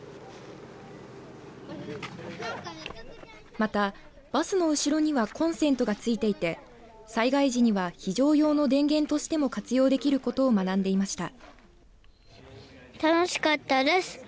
また、バスの後ろにはコンセントが付いていて災害時には非常用の電源としても活用できることを学んでいました。